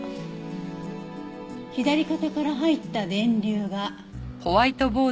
左肩から入った電流が。